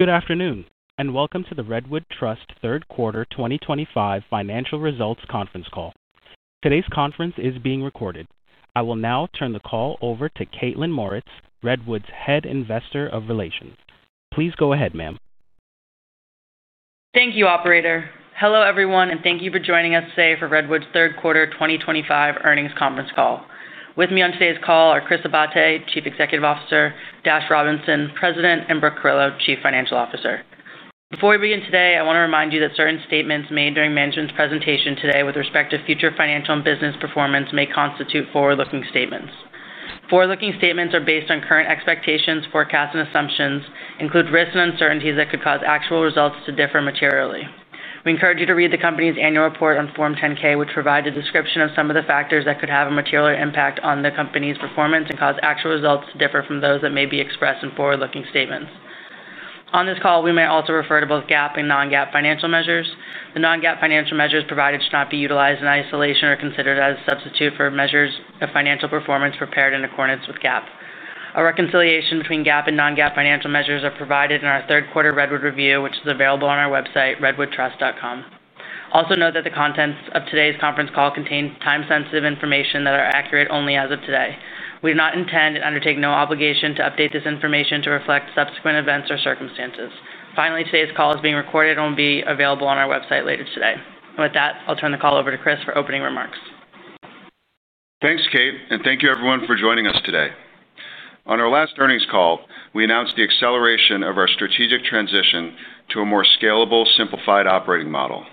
Good afternoon and welcome to the Redwood Trust third quarter 2025 financial results conference call. Today's conference is being recorded. I will now turn the call over to Kaitlyn Mauritz, Redwood's Head Investor of Relations. Please go ahead, ma'am. Thank you, Operator. Hello everyone, and thank you for joining us today for Redwood Trust's Third Quarter 2025 Earnings Conference Call. With me on today's call are Chris Abate, Chief Executive Officer, Dash Robinson, President, and Brooke Carillo, Chief Financial Officer. Before we begin today, I want to remind you that certain statements made during management's presentation today with respect to future financial and business performance may constitute forward-looking statements. Forward-looking statements are based on current expectations, forecasts, and assumptions, and include risks and uncertainties that could cause actual results to differ materially. We encourage you to read the company's annual report on Form 10-K, which provides a description of some of the factors that could have a material impact on the company's performance and cause actual results to differ from those that may be expressed in forward-looking statements. On this call, we may also refer to both GAAP and non-GAAP financial measures. The non-GAAP financial measures provided should not be utilized in isolation or considered as a substitute for measures of financial performance prepared in accordance with GAAP. A reconciliation between GAAP and non-GAAP financial measures is provided in our Third Quarter Redwood Review, which is available on our website, redwoodtrust.com. Also note that the contents of today's conference call contain time-sensitive information that are accurate only as of today. We do not intend and undertake no obligation to update this information to reflect subsequent events or circumstances. Finally, today's call is being recorded and will be available on our website later today. With that, I'll turn the call over to Chris for opening remarks. Thanks, Kate, and thank you everyone for joining us today. On our last earnings call, we announced the acceleration of our strategic transition to a more scalable, simplified operating model,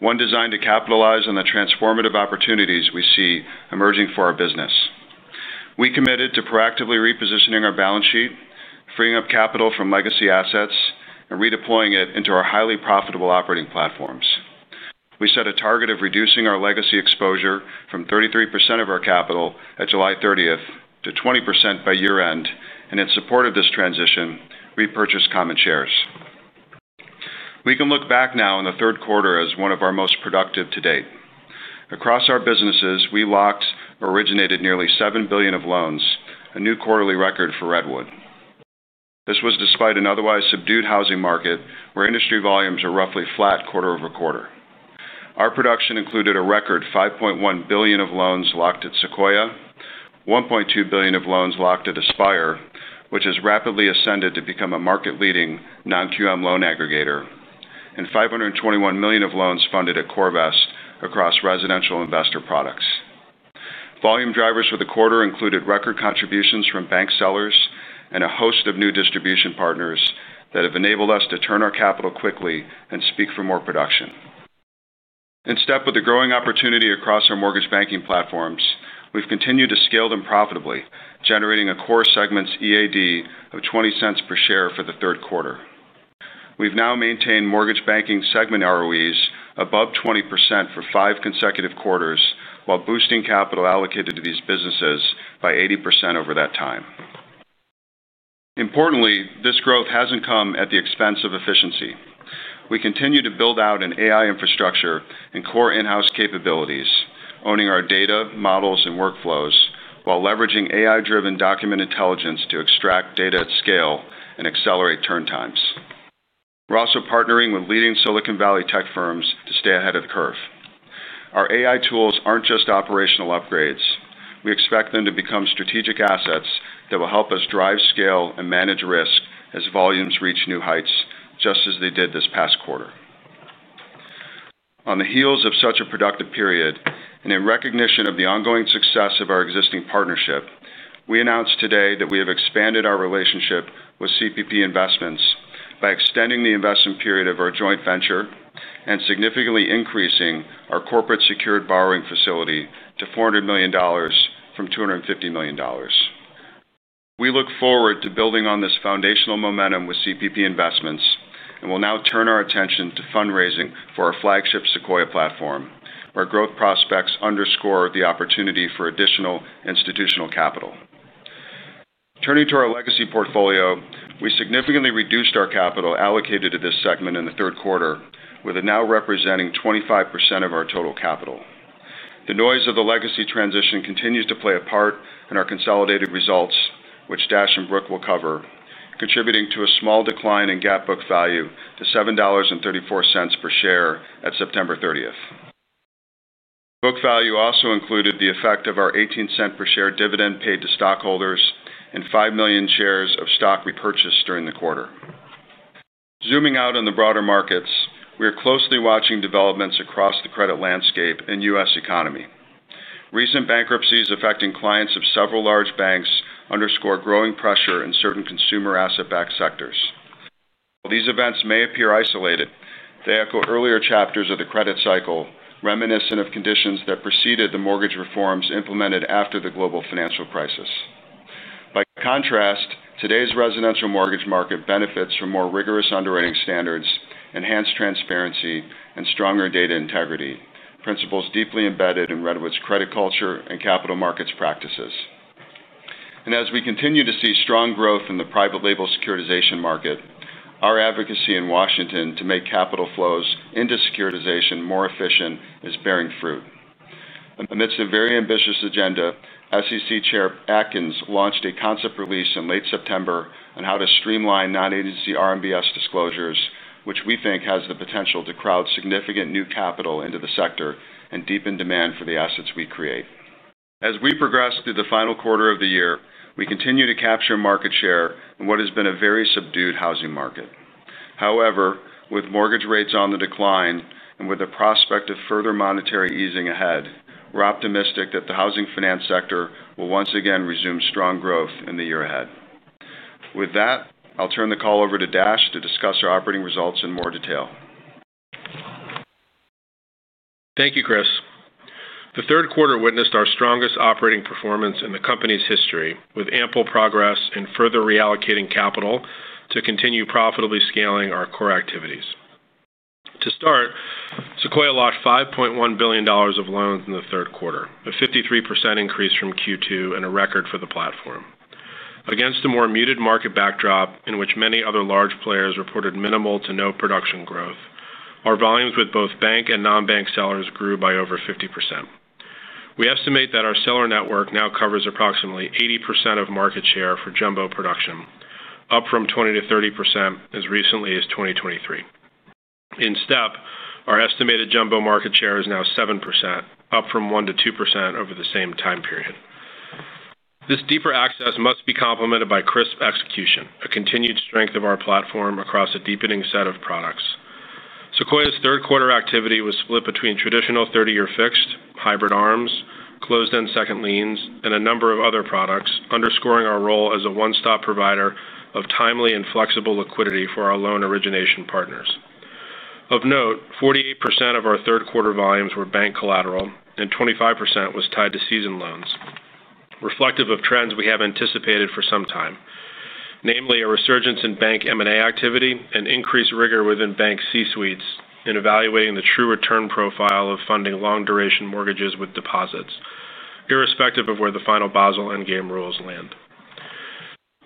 one designed to capitalize on the transformative opportunities we see emerging for our business. We committed to proactively repositioning our balance sheet, freeing up capital from legacy assets, and redeploying it into our highly profitable operating platforms. We set a target of reducing our legacy exposure from 33% of our capital at July 30th to 20% by year-end, and in support of this transition, we purchased common shares. We can look back now on the third quarter as one of our most productive to date. Across our businesses, we locked or originated nearly $7 billion of loans, a new quarterly record for Redwood. This was despite an otherwise subdued housing market where industry volumes are roughly flat quarter-over-quarter. Our production included a record $5.1 billion of loans locked at Sequoia, $1.2 billion of loans locked at Aspire, which has rapidly ascended to become a market-leading non-QM loan aggregator, and $521 million of loans funded at CoreVest across residential investor products. Volume drivers for the quarter included record contributions from bank sellers and a host of new distribution partners that have enabled us to turn our capital quickly and speak for more production. In step with the growing opportunity across our mortgage banking platforms, we've continued to scale them profitably, generating a core segment's EAD of $0.20 per share for the third quarter. We've now maintained mortgage banking segment ROEs above 20% for five consecutive quarters, while boosting capital allocated to these businesses by 80% over that time. Importantly, this growth hasn't come at the expense of efficiency. We continue to build out an AI infrastructure and core in-house capabilities, owning our data, models, and workflows, while leveraging AI-driven document intelligence to extract data at scale and accelerate turn times. We're also partnering with leading Silicon Valley tech firms to stay ahead of the curve. Our AI tools aren't just operational upgrades; we expect them to become strategic assets that will help us drive scale and manage risk as volumes reach new heights, just as they did this past quarter. On the heels of such a productive period, and in recognition of the ongoing success of our existing partnership, we announced today that we have expanded our relationship with CPP Investments by extending the investment period of our joint venture and significantly increasing our corporate-secured borrowing facility to $400 million from $250 million. We look forward to building on this foundational momentum with CPP Investments, and we'll now turn our attention to fundraising for our flagship Sequoia platform, where growth prospects underscore the opportunity for additional institutional capital. Turning to our legacy portfolio, we significantly reduced our capital allocated to this segment in the third quarter, with it now representing 25% of our total capital. The noise of the legacy transition continues to play a part in our consolidated results, which Dash and Brooke will cover, contributing to a small decline in GAAP book value to $7.34 per share at September 30th. Book value also included the effect of our $0.18 per share dividend paid to stockholders and 5 million shares of stock repurchased during the quarter. Zooming out on the broader markets, we are closely watching developments across the credit landscape and U.S. economy. Recent bankruptcies affecting clients of several large banks underscore growing pressure in certain consumer asset-backed sectors. While these events may appear isolated, they echo earlier chapters of the credit cycle, reminiscent of conditions that preceded the mortgage reforms implemented after the global financial crisis. By contrast, today's residential mortgage market benefits from more rigorous underwriting standards, enhanced transparency, and stronger data integrity, principles deeply embedded in Redwood's credit culture and capital markets practices. As we continue to see strong growth in the private label securitization market, our advocacy in Washington to make capital flows into securitization more efficient is bearing fruit. Amidst a very ambitious agenda, SEC Chair Atkins launched a concept release in late September on how to streamline non-agency RMBS disclosures, which we think has the potential to crowd significant new capital into the sector and deepen demand for the assets we create. As we progress through the final quarter of the year, we continue to capture market share in what has been a very subdued housing market. However, with mortgage rates on the decline and with the prospect of further monetary easing ahead, we're optimistic that the housing finance sector will once again resume strong growth in the year ahead. With that, I'll turn the call over to Dash to discuss our operating results in more detail. Thank you, Chris. The third quarter witnessed our strongest operating performance in the company's history, with ample progress in further reallocating capital to continue profitably scaling our core activities. To start, Sequoia locked $5.1 billion of loans in the third quarter, a 53% increase from Q2 and a record for the platform. Against a more muted market backdrop in which many other large players reported minimal to no production growth, our volumes with both bank and non-bank sellers grew by over 50%. We estimate that our seller network now covers approximately 80% of market share for jumbo production, up from 20%-30% as recently as 2023. In step, our estimated jumbo market share is now 7%, up from 1%-2% over the same time period. This deeper access must be complemented by crisp execution, a continued strength of our platform across a deepening set of products. Sequoia's third quarter activity was split between traditional 30-year fixed, hybrid ARMs, closed-end second liens, and a number of other products, underscoring our role as a one-stop provider of timely and flexible liquidity for our loan origination partners. Of note, 48% of our third quarter volumes were bank collateral, and 25% was tied to seasoned loans, reflective of trends we have anticipated for some time, namely a resurgence in bank M&A activity and increased rigor within bank C-suites in evaluating the true return profile of funding long-duration mortgages with deposits, irrespective of where the final Basel endgame rules land.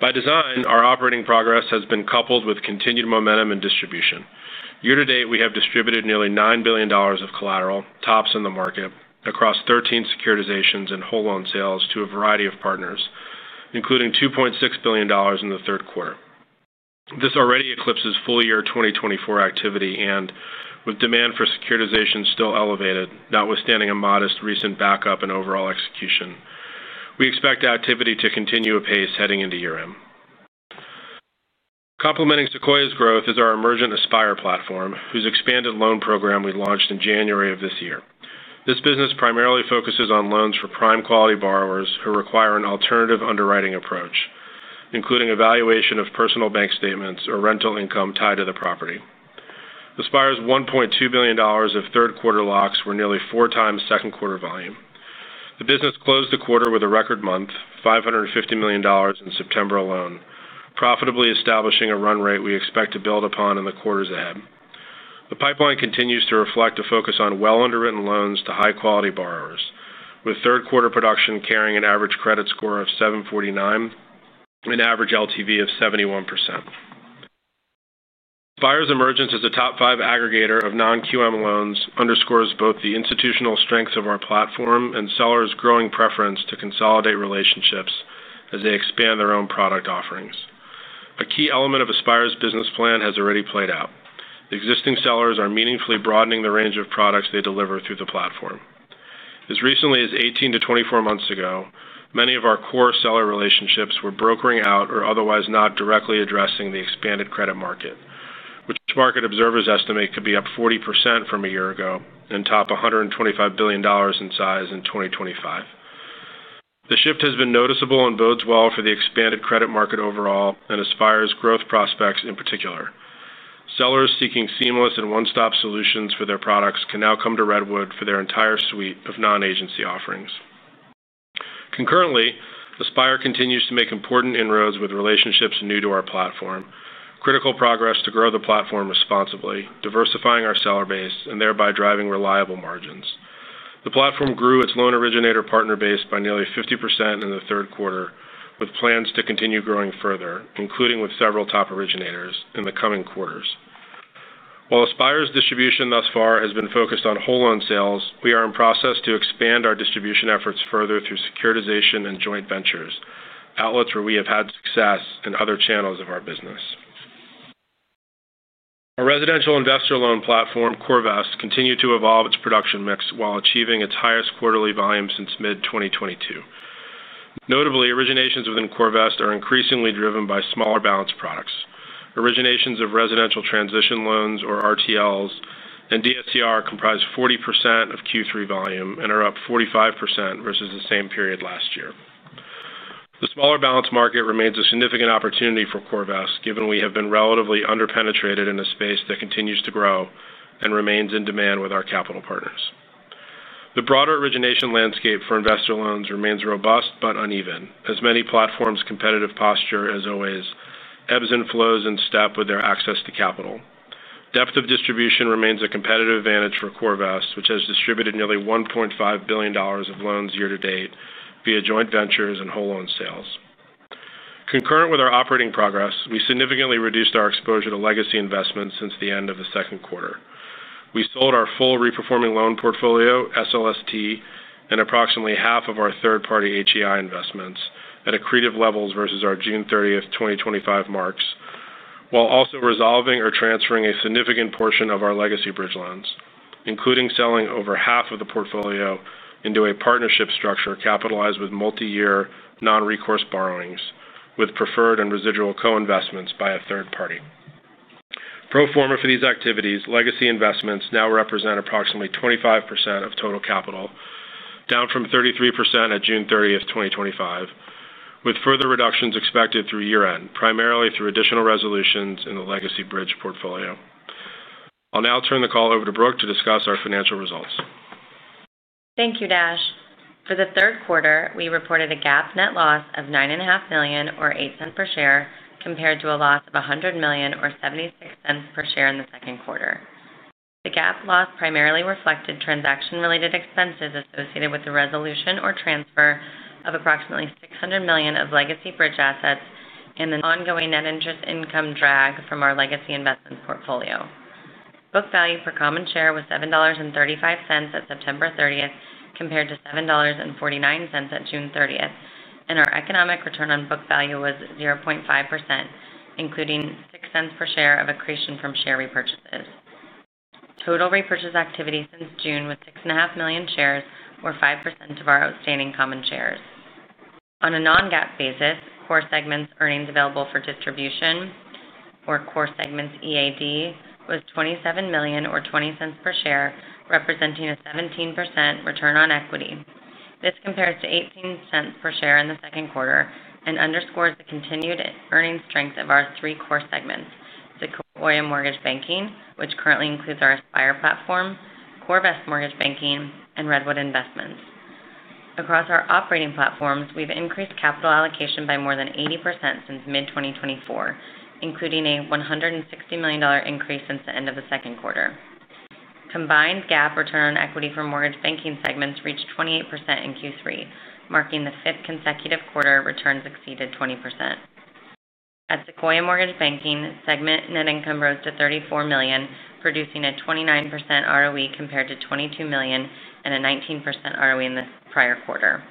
By design, our operating progress has been coupled with continued momentum in distribution. Year to date, we have distributed nearly $9 billion of collateral, tops in the market, across 13 securitizations and whole loan sales to a variety of partners, including $2.6 billion in the third quarter. This already eclipses full-year 2024 activity and, with demand for securitization still elevated, notwithstanding a modest recent backup in overall execution, we expect activity to continue apace heading into year-end. Complementing Sequoia's growth is our emergent Aspire platform, whose expanded loan program we launched in January of this year. This business primarily focuses on loans for prime quality borrowers who require an alternative underwriting approach, including evaluation of personal bank statements or rental income tied to the property. Aspire's $1.2 billion of third quarter locks were nearly 4x second quarter volume. The business closed the quarter with a record month, $550 million in September alone, profitably establishing a run rate we expect to build upon in the quarters ahead. The pipeline continues to reflect a focus on well-underwritten loans to high-quality borrowers, with third quarter production carrying an average credit score of 749 and an average LTV of 71%. Aspire's emergence as a top five aggregator of non-QM loans underscores both the institutional strengths of our platform and sellers' growing preference to consolidate relationships as they expand their own product offerings. A key element of Aspire's business plan has already played out. The existing sellers are meaningfully broadening the range of products they deliver through the platform. As recently as 18-24 months ago, many of our core seller relationships were brokering out or otherwise not directly addressing the expanded credit market, which market observers estimate could be up 40% from a year ago and top $125 billion in size in 2025. The shift has been noticeable and bodes well for the expanded credit market overall and Aspire's growth prospects in particular. Sellers seeking seamless and one-stop solutions for their products can now come to Redwood for their entire suite of non-agency offerings. Concurrently, Aspire continues to make important inroads with relationships new to our platform, critical progress to grow the platform responsibly, diversifying our seller base, and thereby driving reliable margins. The platform grew its loan originator partner base by nearly 50% in the third quarter, with plans to continue growing further, including with several top originators, in the coming quarters. While Aspire's distribution thus far has been focused on whole loan sales, we are in process to expand our distribution efforts further through securitization and joint ventures, outlets where we have had success, and other channels of our business. Our residential investor loan platform, CoreVest, continued to evolve its production mix while achieving its highest quarterly volume since mid-2022. Notably, originations within CoreVest are increasingly driven by smaller balance products. Originations of residential transition loans, or RTLs, and DSCR comprise 40% of Q3 volume and are up 45% versus the same period last year. The smaller balance market remains a significant opportunity for CoreVest, given we have been relatively underpenetrated in a space that continues to grow and remains in demand with our capital partners. The broader origination landscape for investor loans remains robust but uneven, as many platforms' competitive posture, as always, ebbs and flows in step with their access to capital. Depth of distribution remains a competitive advantage for CoreVest, which has distributed nearly $1.5 billion of loans year to date via joint ventures and whole loan sales. Concurrent with our operating progress, we significantly reduced our exposure to legacy investments since the end of the second quarter. We sold our full reperforming loan portfolio, SLST, and approximately half of our third-party HEI investments at accretive levels versus our June 30th, 2025 marks, while also resolving or transferring a significant portion of our legacy bridge loans, including selling over half of the portfolio into a partnership structure capitalized with multi-year non-recourse borrowings, with preferred and residual co-investments by a third party. Pro forma for these activities, legacy investments now represent approximately 25% of total capital, down from 33% at June 30th, 2025, with further reductions expected through year-end, primarily through additional resolutions in the legacy bridge portfolio. I'll now turn the call over to Brooke to discuss our financial results. Thank you, Dash. For the third quarter, we reported a GAAP net loss of $9.5 million or $0.08 per share, compared to a loss of $100 million or $0.76 per share in the second quarter. The GAAP loss primarily reflected transaction-related expenses associated with the resolution or transfer of approximately $600 million of legacy bridge assets and an ongoing net interest income drag from our legacy investments portfolio. Book value per common share was $7.35 at September 30th, compared to $7.49 at June 30th, and our economic return on book value was 0.5%, including $0.06 per share of accretion from share repurchases. Total repurchase activity since June was 6.5 million shares, or 5% of our outstanding common shares. On a non-GAAP basis, core segment earnings available for distribution, or core segment EAD, was $27 million or $0.20 per share, representing a 17% return on equity. This compares to $0.18 per share in the second quarter and underscores the continued earning strength of our three core segments: Sequoia Mortgage Banking, which currently includes our Aspire platform, CoreVest Mortgage Banking, and Redwood Investments. Across our operating platforms, we've increased capital allocation by more than 80% since mid-2024, including a $160 million increase since the end of the second quarter. Combined GAAP return on equity for mortgage banking segments reached 28% in Q3, marking the fifth consecutive quarter returns exceeded 20%. At Sequoia Mortgage Banking, segment net income rose to $34 million, producing a 29% ROE compared to $22 million and a 19% ROE in the prior quarter.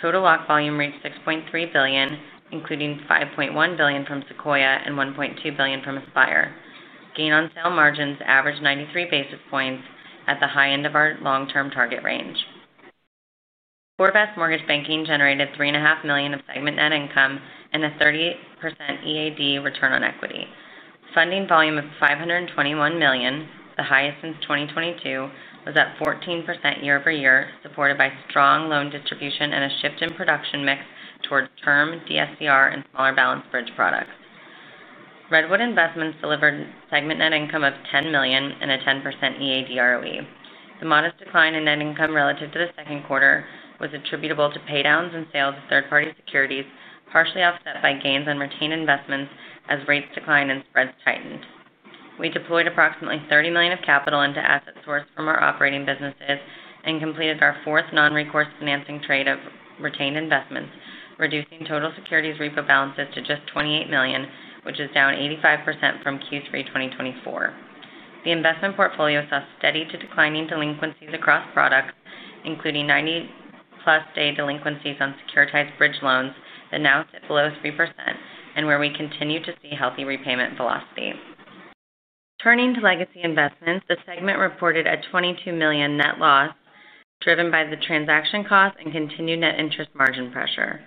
Total lock volume reached $6.3 billion, including $5.1 billion from Sequoia and $1.2 billion from Aspire. Gain on sale margins averaged 93 basis points at the high end of our long-term target range. CoreVest Mortgage Banking generated $3.5 million of segment net income and a 30% EAD return on equity. Funding volume of $521 million, the highest since 2022, was up 14% year-over-year, supported by strong loan distribution and a shift in production mix towards term, DSCR, and smaller balance bridge products. Redwood Investments delivered segment net income of $10 million and a 10% EAD ROE. The modest decline in net income relative to the second quarter was attributable to paydowns and sales of third-party securities, partially offset by gains on retained investments as rates declined and spreads tightened. We deployed approximately $30 million of capital into assets sourced from our operating businesses and completed our fourth non-recourse financing trade of retained investments, reducing total securities repo balances to just $28 million, which is down 85% from Q3 2024. The investment portfolio saw steady to declining delinquencies across products, including 90+ day delinquencies on securitized bridge loans that now sit below 3% and where we continue to see healthy repayment velocity. Turning to legacy investments, the segment reported a $22 million net loss, driven by the transaction costs and continued net interest margin pressure.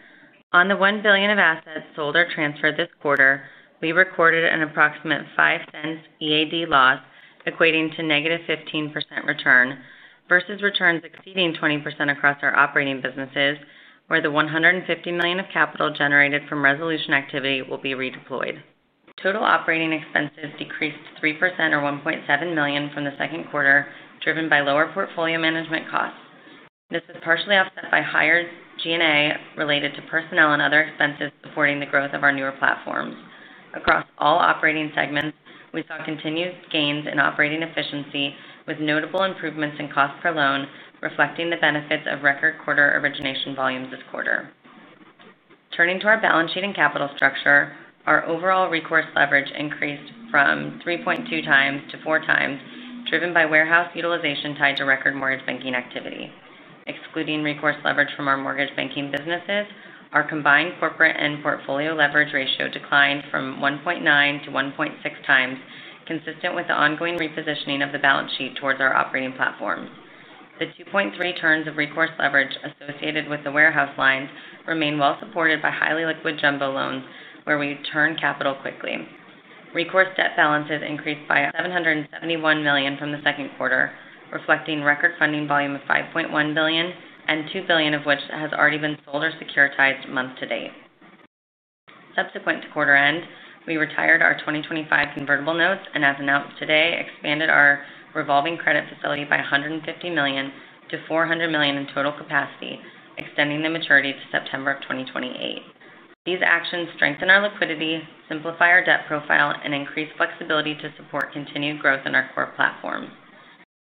On the $1 billion of assets sold or transferred this quarter, we recorded an approximate $0.05 EAD loss, equating to -15% return, versus returns exceeding 20% across our operating businesses, where the $150 million of capital generated from resolution activity will be redeployed. Total operating expenses decreased 3% or $1.7 million from the second quarter, driven by lower portfolio management costs. This is partially offset by higher G&A related to personnel and other expenses supporting the growth of our newer platforms. Across all operating segments, we saw continued gains in operating efficiency, with notable improvements in cost per loan, reflecting the benefits of record quarter origination volumes this quarter. Turning to our balance sheet and capital structure, our overall recourse leverage increased from 3.2x to 4x, driven by warehouse utilization tied to record mortgage banking activity. Excluding recourse leverage from our mortgage banking businesses, our combined corporate and portfolio leverage ratio declined from 1.9x to 1.6x, consistent with the ongoing repositioning of the balance sheet towards our operating platforms. The 2.3 turns of recourse leverage associated with the warehouse lines remain well supported by highly liquid jumbo loans, where we turn capital quickly. Recourse debt balances increased by $771 million from the second quarter, reflecting record funding volume of $5.1 billion, and $2 billion of which has already been sold or securitized month to date. Subsequent to quarter end, we retired our 2025 convertible notes and, as announced today, expanded our revolving credit facility by $150 million to $400 million in total capacity, extending the maturity to September of 2028. These actions strengthen our liquidity, simplify our debt profile, and increase flexibility to support continued growth in our core platforms.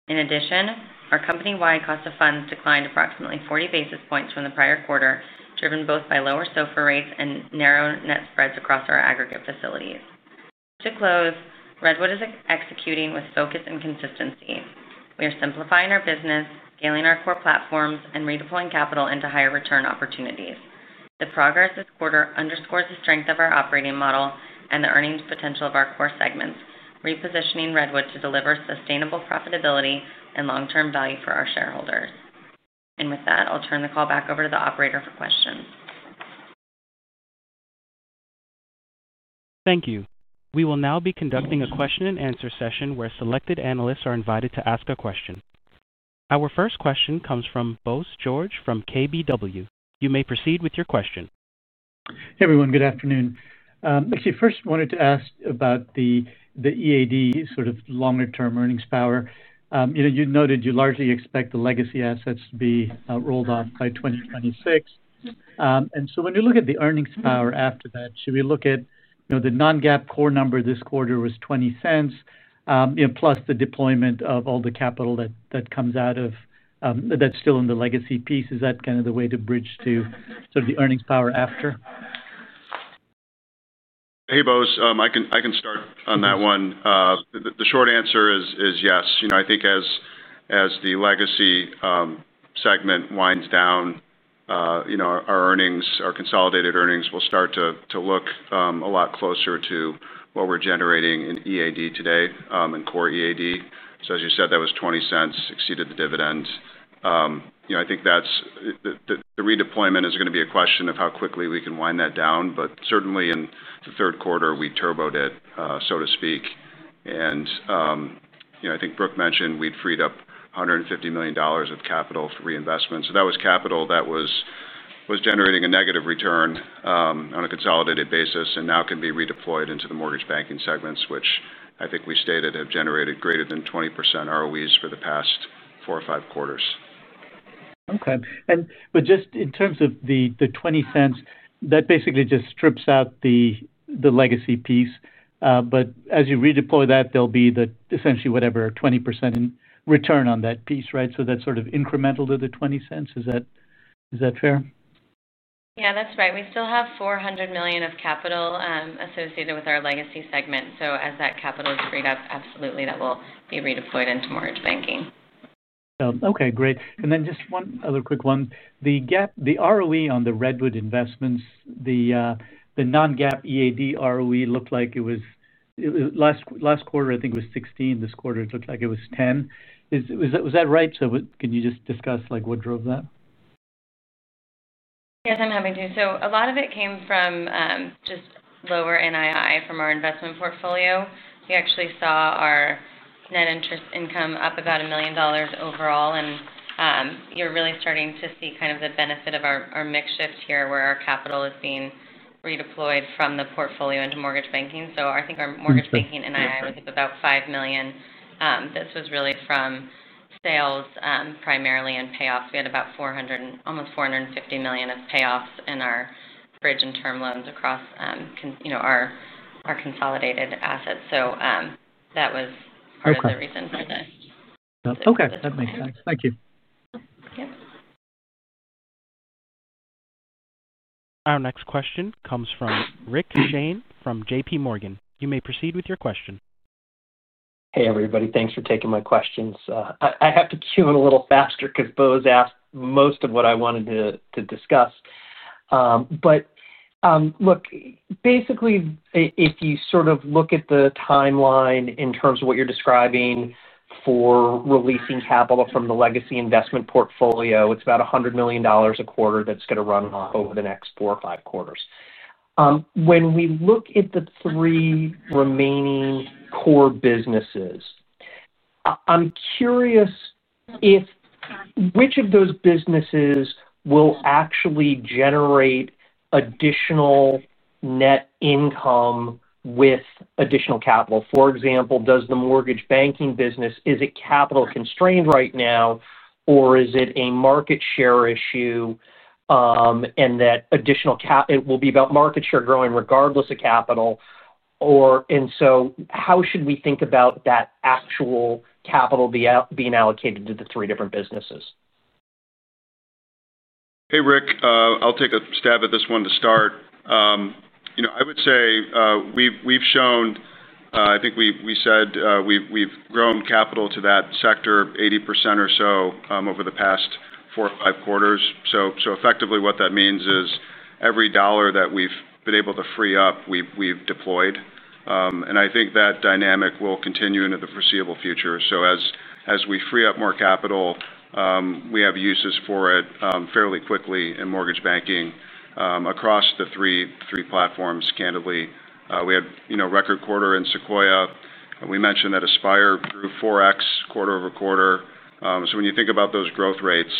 In addition, our company-wide cost of funds declined approximately 40 basis points from the prior quarter, driven both by lower SOFR rates and narrower net spreads across our aggregate facilities. To close, Redwood is executing with focus and consistency. We are simplifying our business, scaling our core platforms, and redeploying capital into higher return opportunities. The progress this quarter underscores the strength of our operating model and the earnings potential of our core segments, repositioning Redwood to deliver sustainable profitability and long-term value for our shareholders. I'll turn the call back over to the operator for questions. Thank you. We will now be conducting a question and answer session where selected analysts are invited to ask a question. Our first question comes from Bose George from KBW. You may proceed with your question. Hey everyone, good afternoon. I wanted to ask about the EAD, sort of longer-term earnings power. You noted you largely expect the legacy assets to be rolled off by 2026. When you look at the earnings power after that, should we look at the non-GAAP core number this quarter was $0.20, plus the deployment of all the capital that comes out of, that's still in the legacy piece? Is that kind of the way to bridge to sort of the earnings power after? I can start on that one. The short answer is yes. I think as the legacy segment winds down, our consolidated earnings will start to look a lot closer to what we're generating in EAD today, in core EAD. As you said, that was $0.20, exceeded the dividend. I think the redeployment is going to be a question of how quickly we can wind that down, but certainly in the third quarter we turboed it, so to speak. I think Brooke mentioned we'd freed up $150 million of capital for reinvestment. That was capital that was generating a negative return on a consolidated basis and now can be redeployed into the mortgage banking segments, which I think we stated have generated greater than 20% ROEs for the past four or five quarters. Okay. Just in terms of the $0.20, that basically just strips out the legacy piece. As you redeploy that, there'll be essentially whatever 20% in return on that piece, right? That's sort of incremental to the $0.20. Is that fair? Yeah, that's right. We still have $400 million of capital associated with our legacy segment. As that capital is freed up, absolutely that will be redeployed into mortgage banking. Okay, great. Just one other quick one. The GAAP, the ROE on the Redwood Investments, the non-GAAP EAD ROE looked like it was last quarter, I think it was 16. This quarter it looked like it was 10. Is that right? Can you just discuss what drove that? Yes, I'm happy to. A lot of it came from just lower NII from our investment portfolio. We actually saw our net interest income up about $1 million overall, and you're really starting to see the benefit of our mix shift here where our capital is being redeployed from the portfolio into mortgage banking. I think our mortgage banking NII was about $5 million. This was really from sales, primarily and payoffs. We had about $400 million, almost $450 million of payoffs in our bridge and term loans across our consolidated assets. That was another reason for this. Okay, that makes sense. Thank you. Yep. Our next question comes from Rick Shane from JPMorgan. You may proceed with your question. Hey everybody, thanks for taking my questions. I have to cue in a little faster because Bose asked most of what I wanted to discuss. Basically, if you sort of look at the timeline in terms of what you're describing for releasing capital from the legacy investment portfolio, it's about $100 million a quarter that's going to run over the next four or five quarters. When we look at the three remaining core businesses, I'm curious if which of those businesses will actually generate additional net income with additional capital. For example, does the mortgage banking business, is it capital constrained right now, or is it a market share issue, and that additional capital, it will be about market share growing regardless of capital? How should we think about that actual capital being allocated to the three different businesses? Hey Rick, I'll take a stab at this one to start. I would say we've shown, I think we said, we've grown capital to that sector 80% or so over the past four or five quarters. Effectively, what that means is every dollar that we've been able to free up, we've deployed. I think that dynamic will continue into the foreseeable future. As we free up more capital, we have uses for it fairly quickly in mortgage banking across the three platforms, candidly. We had a record quarter in Sequoia. We mentioned that Aspire grew 4x quarter-over-quarter. When you think about those growth rates,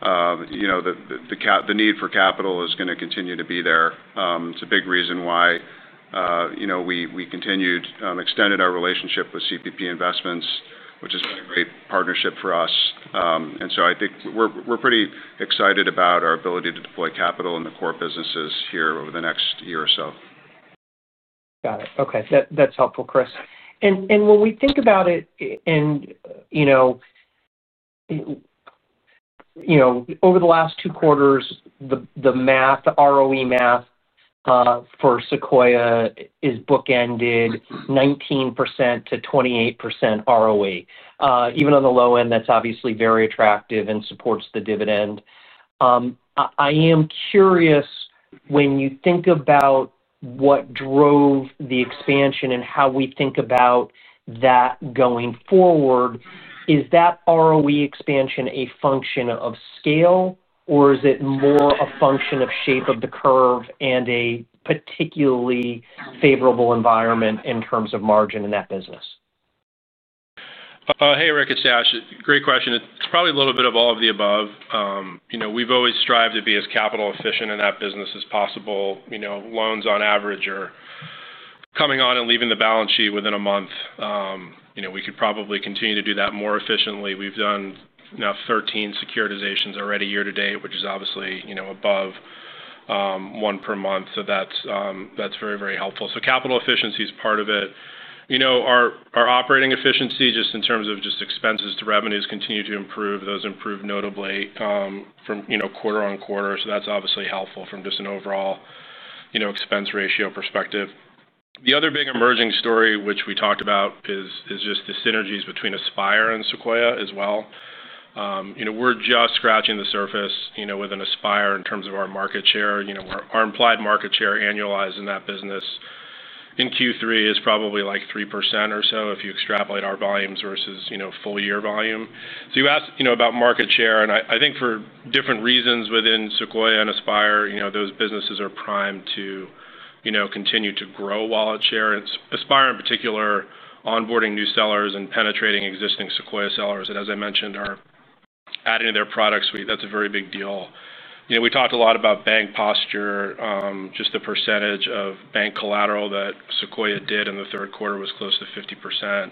the need for capital is going to continue to be there. It's a big reason why we continued, extended our relationship with CPP Investments, which has been a great partnership for us. I think we're pretty excited about our ability to deploy capital in the core businesses here over the next year or so. Got it. Okay. That's helpful, Chris. When we think about it, over the last two quarters, the ROE math for Sequoia is bookended 19%-28% ROE. Even on the low end, that's obviously very attractive and supports the dividend. I am curious, when you think about what drove the expansion and how we think about that going forward, is that ROE expansion a function of scale, or is it more a function of shape of the curve and a particularly favorable environment in terms of margin in that business? Hey Rick, it's Dash. Great question. It's probably a little bit of all of the above. We've always strived to be as capital efficient in that business as possible. Loans on average are coming on and leaving the balance sheet within a month. We could probably continue to do that more efficiently. We've done now 13 securitizations already year to date, which is obviously above one per month. That's very, very helpful. Capital efficiency is part of it. Our operating efficiency, just in terms of expenses to revenues, continued to improve. Those improved notably from quarter-on-quarter. That's obviously helpful from just an overall expense ratio perspective. The other big emerging story, which we talked about, is just the synergies between Aspire and Sequoia as well. We're just scratching the surface within Aspire in terms of our market share. Our implied market share annualized in that business in Q3 is probably like 3% or so if you extrapolate our volumes versus full year volume. You asked about market share, and I think for different reasons within Sequoia and Aspire, those businesses are primed to continue to grow wallet share. Aspire in particular, onboarding new sellers and penetrating existing Sequoia sellers that, as I mentioned, are adding to their product suite, that's a very big deal. We talked a lot about bank posture, just the percentage of bank collateral that Sequoia did in the third quarter was close to 50%.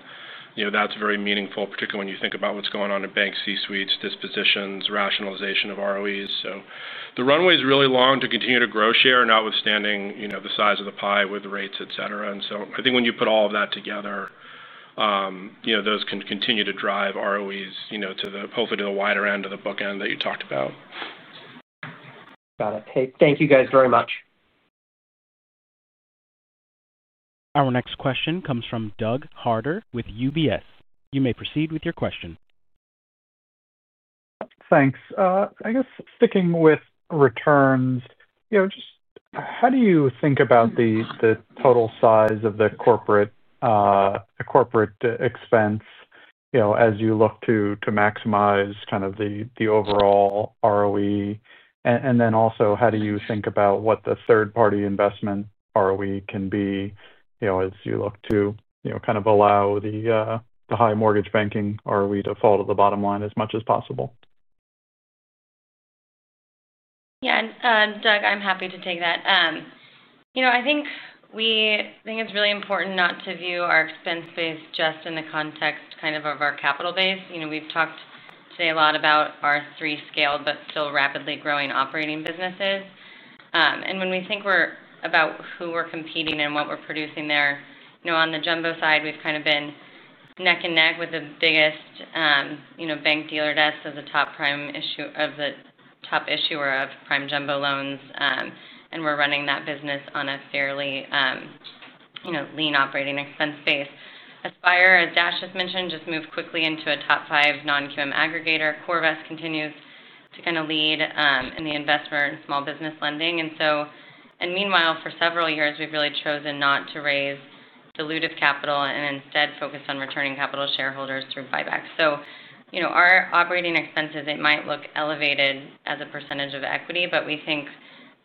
That's very meaningful, particularly when you think about what's going on in bank C-suites, dispositions, rationalization of ROEs. The runway is really long to continue to grow share, notwithstanding the size of the pie with rates, et cetera. I think when you put all of that together, those can continue to drive ROEs, hopefully to the wider end of the bookend that you talked about. Got it. Thank you guys very much. Our next question comes from Doug Harter with UBS. You may proceed with your question. Thanks. I guess sticking with returns, how do you think about the total size of the corporate expense as you look to maximize the overall ROE? Also, how do you think about what the third-party investment ROE can be as you look to allow the high mortgage banking ROE to fall to the bottom line as much as possible? Yeah, Doug, I'm happy to take that. I think it's really important not to view our expense base just in the context of our capital base. We've talked today a lot about our three scaled but still rapidly growing operating businesses. When we think about who we're competing with and what we're producing there, on the jumbo side, we've kind of been neck and neck with the biggest bank dealer desk as a top issuer of prime jumbo loans. We're running that business on a fairly lean operating expense base. Aspire, as Dash just mentioned, just moved quickly into a top five non-QM aggregator. CoreVest continues to lead in the investment and small business lending. Meanwhile, for several years, we've really chosen not to raise dilutive capital and instead focus on returning capital to shareholders through buybacks. Our operating expenses might look elevated as a percentage of equity, but we think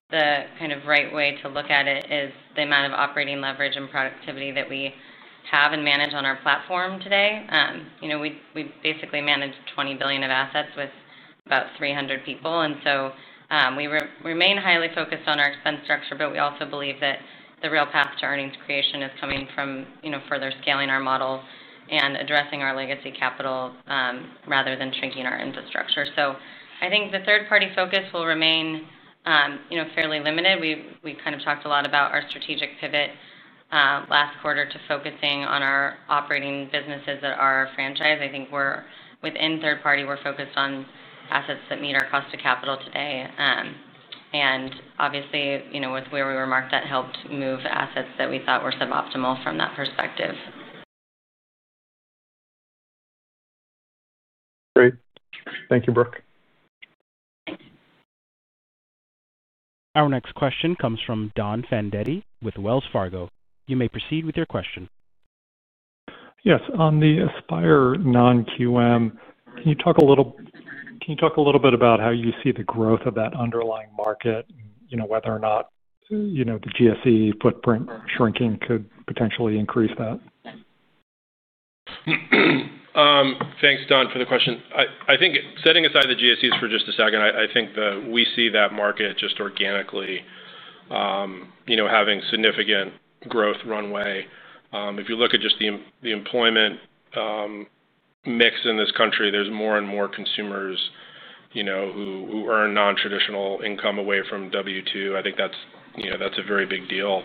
the right way to look at it is the amount of operating leverage and productivity that we have and manage on our platform today. We basically manage $20 billion of assets with about 300 people. We remain highly focused on our expense structure, but we also believe that the real path to earnings creation is coming from further scaling our model and addressing our legacy capital, rather than shrinking our infrastructure. I think the third-party focus will remain fairly limited. We talked a lot about our strategic pivot last quarter to focusing on our operating businesses that are our franchise. I think within third party, we're focused on assets that meet our cost of capital today. Obviously, with where we were marked, that helped move assets that we thought were suboptimal from that perspective. Great. Thank you, Brooke. Our next question comes from Don Fandetti with Wells Fargo. You may proceed with your question. On the Aspire non-QM, can you talk a little bit about how you see the growth of that underlying market and whether or not the GSE footprint shrinking could potentially increase that? Thanks, Don, for the question. I think setting aside the GSEs for just a second, I think that we see that market just organically having significant growth runway. If you look at just the employment mix in this country, there's more and more consumers who earn non-traditional income away from W-2. I think that's a very big deal.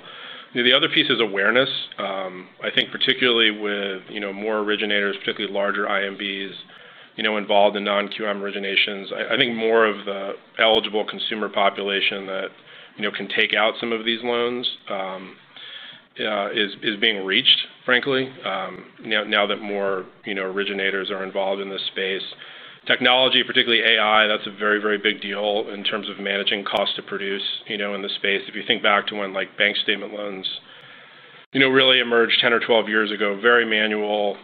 The other piece is awareness. I think particularly with more originators, particularly larger IMBs, involved in non-QM originations, I think more of the eligible consumer population that can take out some of these loans is being reached, frankly, now that more originators are involved in this space. Technology, particularly AI, that's a very, very big deal in terms of managing cost to produce in the space. If you think back to when bank statement loans really emerged 10 or 12 years ago, very manual,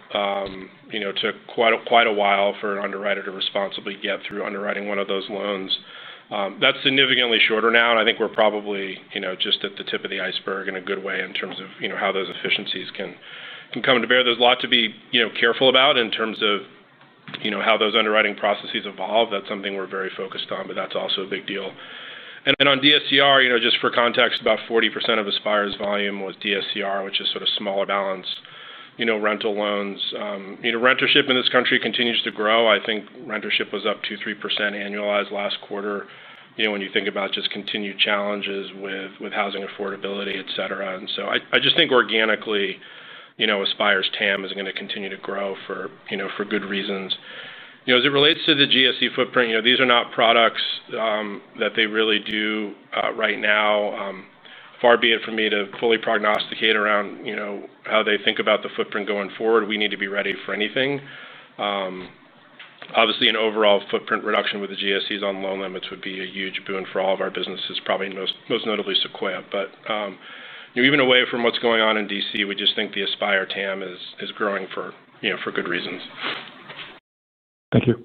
took quite a while for an underwriter to responsibly get through underwriting one of those loans. That's significantly shorter now, and I think we're probably just at the tip of the iceberg in a good way in terms of how those efficiencies can come to bear. There's a lot to be careful about in terms of how those underwriting processes evolve. That's something we're very focused on, but that's also a big deal. On DSCR, just for context, about 40% of Aspire's volume was DSCR, which is sort of smaller balanced rental loans. Rentership in this country continues to grow. I think rentership was up 2%-3% annualized last quarter when you think about just continued challenges with housing affordability, et cetera. I just think organically Aspire's TAM is going to continue to grow for good reasons. As it relates to the GSE footprint, these are not products that they really do right now. Far be it for me to fully prognosticate around how they think about the footprint going forward. We need to be ready for anything. Obviously, an overall footprint reduction with the GSEs on loan limits would be a huge boon for all of our businesses, probably most notably Sequoia. Even away from what's going on in D.C., we just think the Aspire TAM is growing for good reasons. Thank you.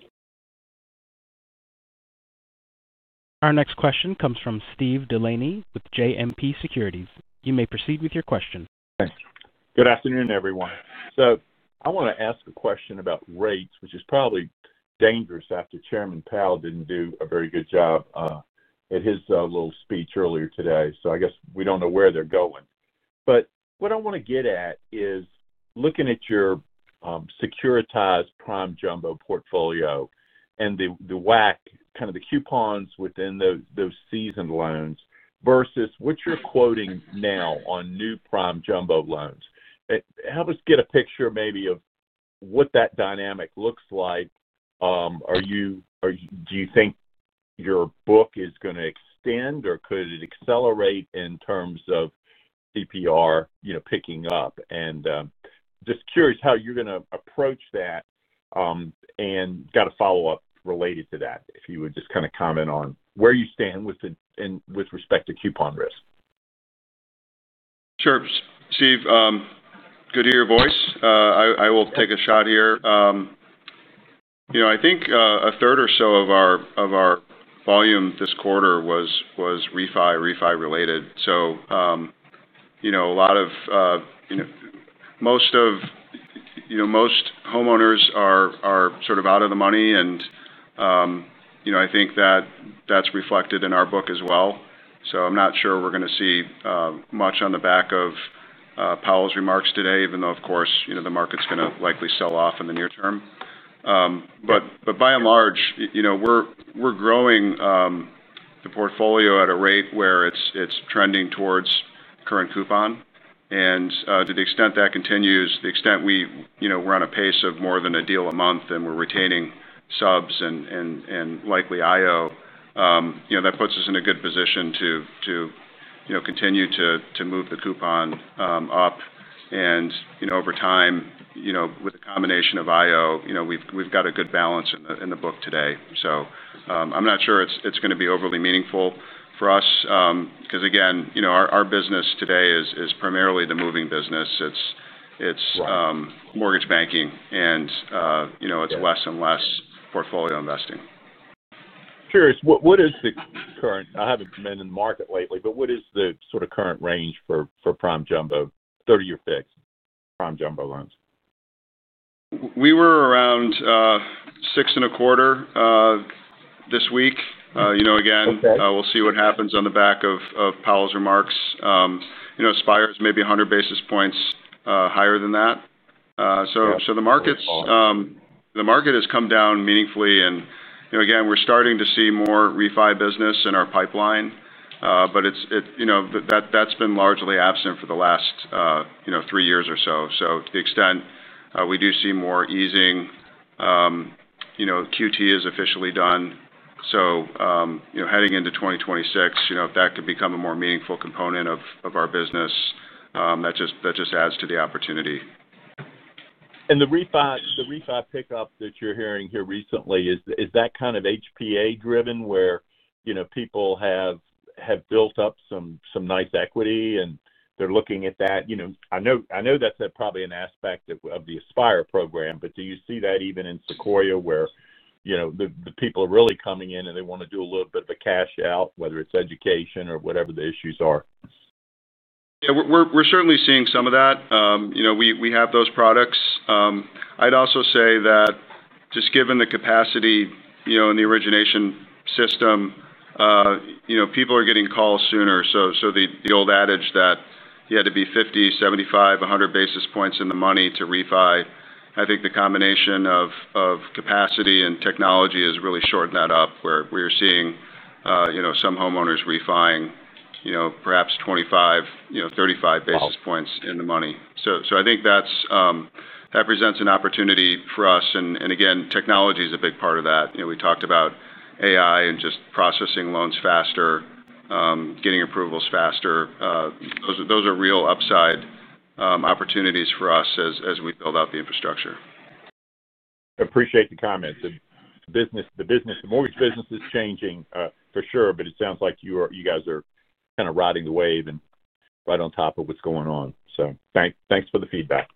Our next question comes from Steve Delaney with JMP Securities. You may proceed with your question. Thanks. Good afternoon, everyone. I want to ask a question about rates, which is probably dangerous after Chairman Powell didn't do a very good job at his little speech earlier today. I guess we don't know where they're going. What I want to get at is looking at your securitized prime jumbo portfolio and the WAC, kind of the coupons within those season loans versus what you're quoting now on new prime jumbo loans. Help us get a picture maybe of what that dynamic looks like. Do you think your book is going to extend or could it accelerate in terms of CPR, you know, picking up? I'm just curious how you're going to approach that, and I've got a follow-up related to that if you would just kind of comment on where you stand with it and with respect to coupon risk. Sure, Steve. Good to hear your voice. I will take a shot here. I think a third or so of our volume this quarter was refi related. Most homeowners are sort of out of the money, and I think that's reflected in our book as well. I'm not sure we're going to see much on the back of Powell's remarks today, even though, of course, the market's going to likely sell off in the near term. By and large, we're growing the portfolio at a rate where it's trending towards current coupon. To the extent that continues, the extent we are on a pace of more than a deal a month and we're retaining subs and likely IO, that puts us in a good position to continue to move the coupon up. Over time, with a combination of IO, we've got a good balance in the book today. I'm not sure it's going to be overly meaningful for us, because again, our business today is primarily the moving business. It's mortgage banking and it's less and less portfolio investing. Curious, what is the current, I haven't been in the market lately, but what is the sort of current range for prime jumbo, 30-year fixed prime jumbo loans? We were around 6.25% this week. You know, again, we'll see what happens on the back of Powell's remarks. Aspire is maybe 100 basis points higher than that, so the market has come down meaningfully. You know, again, we're starting to see more refi business in our pipeline, but it's, you know, that's been largely absent for the last three years or so. To the extent we do see more easing, QT is officially done. You know, heading into 2026, if that could become a more meaningful component of our business, that just adds to the opportunity. The refi pickup that you're hearing here recently, is that kind of HPA driven where, you know, people have built up some nice equity and they're looking at that? I know that's probably an aspect of the Aspire program, but do you see that even in Sequoia where the people are really coming in and they want to do a little bit of a cash out, whether it's education or whatever the issues are? Yeah, we're certainly seeing some of that. You know, we have those products. I'd also say that just given the capacity in the origination system, people are getting calls sooner. The old adage that you had to be 50, 75, 100 basis points in the money to refi, I think the combination of capacity and technology has really shortened that up where we're seeing some homeowners refiing, perhaps 25, 35 basis points in the money. I think that presents an opportunity for us. Again, technology is a big part of that. You know, we talked about AI and just processing loans faster, getting approvals faster. Those are real upside opportunities for us as we build out the infrastructure. Appreciate the comments. The mortgage business is changing, for sure, but it sounds like you guys are kind of riding the wave and right on top of what's going on. Thanks for the feedback.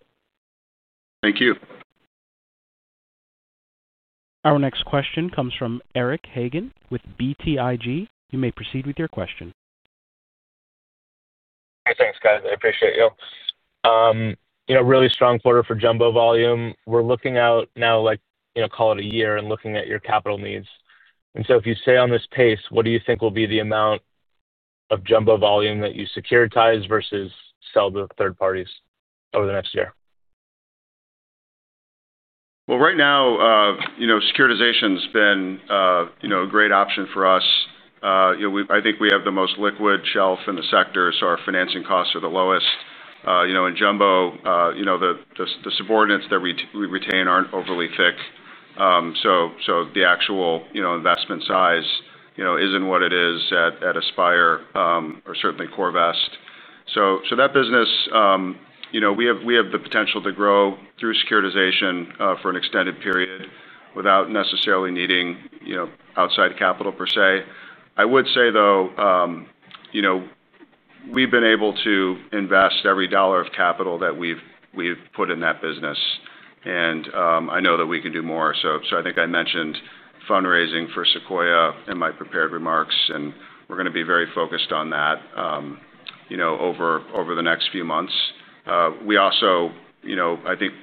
Thank you. Our next question comes from Eric Hagen with BTIG. You may proceed with your question. Hey, thanks, guys. I appreciate you. Really strong quarter for jumbo volume. We're looking out now, like, you know, call it a year and looking at your capital needs. If you stay on this pace, what do you think will be the amount of jumbo volume that you securitize versus sell to third parties over the next year? Right now, securitization has been a great option for us. I think we have the most liquid shelf in the sector, so our financing costs are the lowest. In jumbo, the subordinates that we retain aren't overly thick, so the actual investment size isn't what it is at Aspire, or certainly CoreVest. That business, we have the potential to grow through securitization for an extended period without necessarily needing outside capital per se. I would say, though, we've been able to invest every dollar of capital that we've put in that business, and I know that we can do more. I think I mentioned fundraising for Sequoia in my prepared remarks, and we're going to be very focused on that over the next few months. We also, I think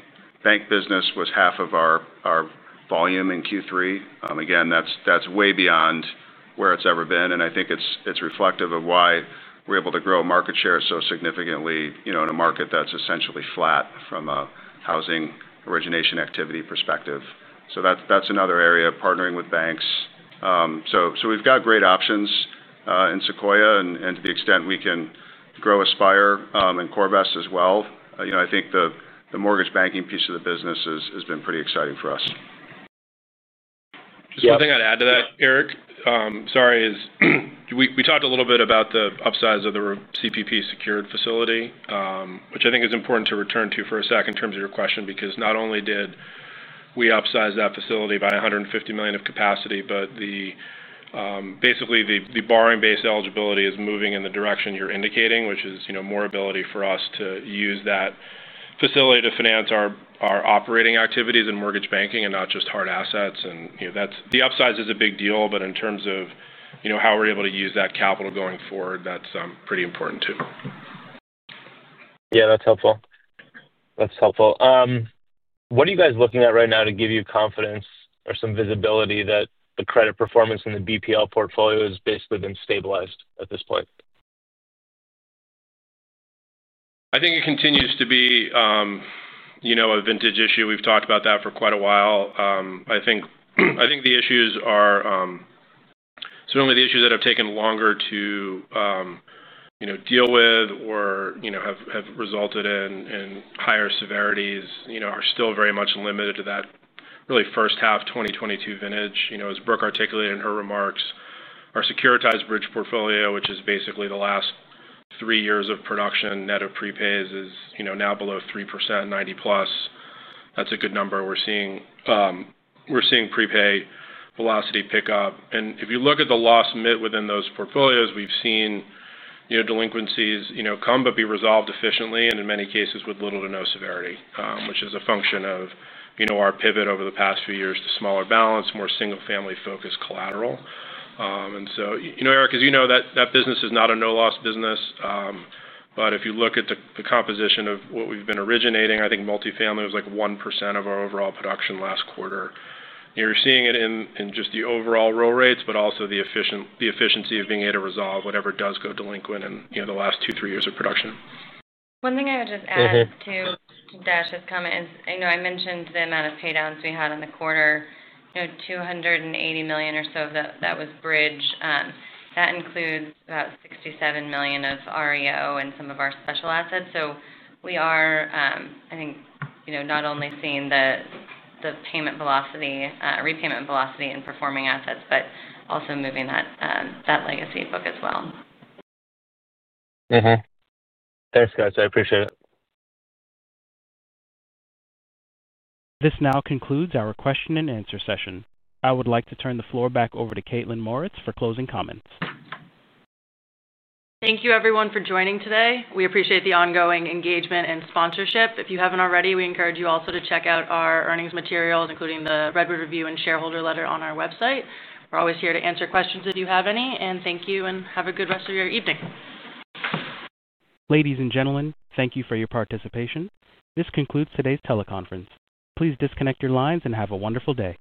bank business was half of our volume in Q3. Again, that's way beyond where it's ever been, and I think it's reflective of why we're able to grow market share so significantly in a market that's essentially flat from a housing origination activity perspective. That's another area, partnering with banks, so we've got great options in Sequoia. To the extent we can grow Aspire and CoreVest as well, I think the mortgage banking piece of the business has been pretty exciting for us. Just one thing I'd add to that, Eric, sorry, is we talked a little bit about the upsize of the CPP secured facility, which I think is important to return to for a sec in terms of your question because not only did we upsize that facility by $150 million of capacity, but basically the borrowing-based eligibility is moving in the direction you're indicating, which is more ability for us to use that facility to finance our operating activities and mortgage banking and not just hard assets. That's the upsize, it's a big deal, but in terms of how we're able to use that capital going forward, that's pretty important too. Yeah, that's helpful. What are you guys looking at right now to give you confidence or some visibility that the credit performance in the BPL portfolio has basically been stabilized at this point? I think it continues to be a vintage issue. We've talked about that for quite a while. I think the issues are certainly the issues that have taken longer to deal with or have resulted in higher severities are still very much limited to that really first half 2022 vintage. As Brooke articulated in her remarks, our securitized bridge portfolio, which is basically the last three years of production, net of prepays, is now below 3%, 90+. That's a good number. We're seeing prepay velocity pick up. If you look at the loss mid within those portfolios, we've seen delinquencies come but be resolved efficiently and in many cases with little to no severity, which is a function of our pivot over the past few years to smaller balance, more single-family focused collateral. Eric, as you know, that business is not a no-loss business. If you look at the composition of what we've been originating, I think multifamily was like 1% of our overall production last quarter. You're seeing it in just the overall roll rates, but also the efficiency of being able to resolve whatever does go delinquent in the last two or three years of production. One thing I would just add to Dash's comment is, you know, I mentioned the amount of paydowns we had in the quarter, $280 million or so of that was bridge. That includes about $67 million of REO and some of our special assets. We are, I think, not only seeing the payment velocity, repayment velocity in performing assets, but also moving that legacy book as well. Thanks, guys. I appreciate it. This now concludes our question and answer session. I would like to turn the floor back over to Kaitlyn Mauritz for closing comments. Thank you, everyone, for joining today. We appreciate the ongoing engagement and sponsorship. If you haven't already, we encourage you also to check out our earnings materials, including the Redwood Review and Shareholder Letter on our website. We're always here to answer questions if you have any. Thank you and have a good rest of your evening. Ladies and gentlemen, thank you for your participation. This concludes today's teleconference. Please disconnect your lines and have a wonderful day.